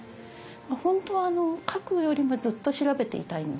本当は書くよりもずっと調べていたいんですけど。